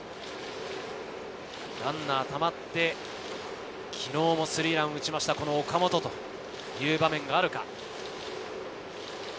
ランナーたまって、昨日もスリーランを打った岡本。という場面があるのか。